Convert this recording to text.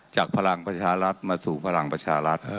พลังประชารัฐมาสู่พลังประชารัฐ